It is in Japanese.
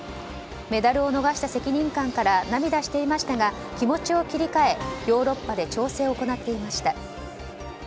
メダルを逃した責任感から涙していましたが気持ちを切り替えヨーロッパで調整を行っていました。